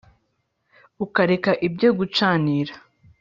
ukareka ibyo gucanira